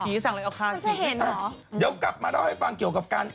เดี๋ยวกลับมาเล่าให้ฟังเกี่ยวกับการ